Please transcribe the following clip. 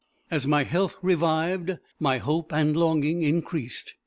As my health revived, my hope and longing increased.